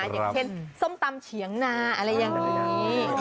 อย่างเช่นส้มตำเฉียงนาอะไรอย่างนี้